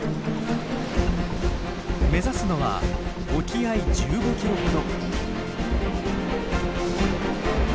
目指すのは沖合１５ｋｍほど。